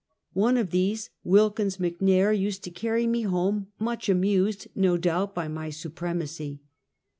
One of these, Wilkins Mc Nair, used to carry me home, much amused, no doubt, by my supremacy.